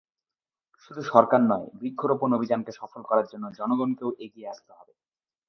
শুধু সরকার নয়, বৃক্ষরোপণ অভিযানকে সফল করার জন্য জনগণকেও এগিয়ে আসতে হবে।